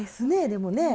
でもねえ？